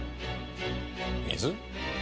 水？